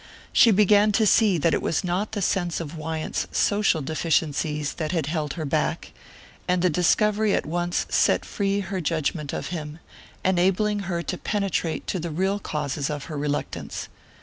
She began to see that it was not the sense of Wyant's social deficiencies that had held her back; and the discovery at once set free her judgment of him, enabling her to penetrate to the real causes of her reluctance.